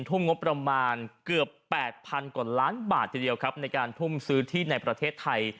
ทุ่มงบประมาณเกือบ๘๐๐๐กว่าล้านบาททีเดียวครับในการทุ่มซื้อที่ในประเทศไทย